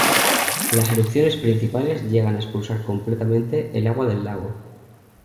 Las erupciones principales llegan a expulsar completamente el agua del lago.